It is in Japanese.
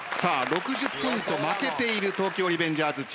６０ポイント負けている東京リベンジャーズチームです。